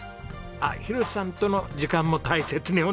あっ博さんとの時間も大切にお願いします。